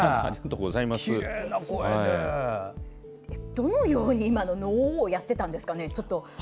どのように今の「のー」をやってたんですかね？